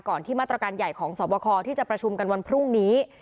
ที่มาตรการใหญ่ของสวบคที่จะประชุมกันวันพรุ่งนี้